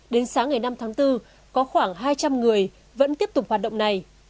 đến sáng ngày năm tháng bốn có khoảng hai trăm linh người vẫn tiếp tục hoạt động này